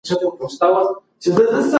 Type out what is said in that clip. که موږ خپله ژبه وساتو، نو کلتور به ژوندی وي.